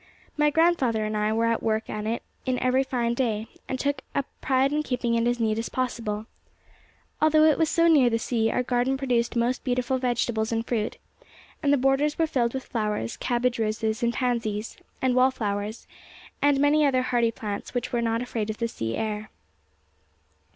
My grandfather and I were at work in it every fine day, and took a pride in keeping it as neat as possible. Although it was so near the sea, our garden produced most beautiful vegetables and fruit, and the borders were filled with flowers, cabbage roses, and pansies, and wall flowers, and many other hardy plants which were not afraid of the sea air.